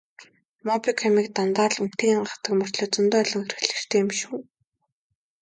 Мобикомыг дандаа л үнэтэйг нь гайхдаг мөртөө зөндөө л олон хэрэглэгчтэй юм биш үү?